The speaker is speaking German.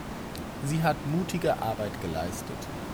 Sie hat mutige Arbeit geleistet.